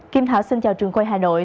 kim thảo xin chào trường quay hà nội